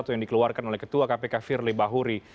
yang dikeluarkan oleh ketua kpk firly bahuri